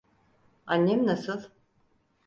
Annem nasıl?